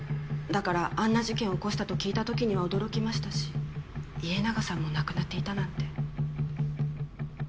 だからあんな事件を起こしたと聞いたときには驚きましたし家長さんも亡くなっていたなんて。